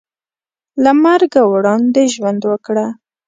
له مرګه وړاندې ژوند وکړه .